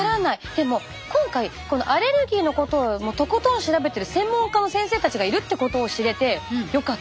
でも今回このアレルギーのことをもうとことん調べてる専門家の先生たちがいるってことを知れてよかった。